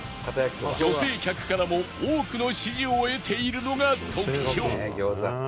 女性客からも多くの支持を得ているのが特徴